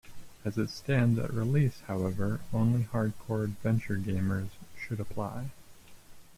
As it stands at release, however, only hardcore adventure gamers should apply.